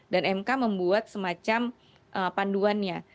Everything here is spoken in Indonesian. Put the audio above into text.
dan mk membuat semacam panduannya